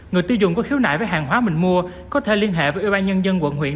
người tiêu dùng có khiếu nại với hàng hóa mình mua có thể liên hệ với ủy ban nhân dân quận huyện